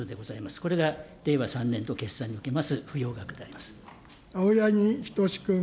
これが令和３年度決算におけます青柳仁士君。